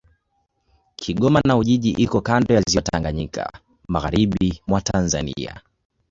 Kigoma na Ujiji iko kando ya Ziwa Tanganyika, magharibi mwa Tanzania.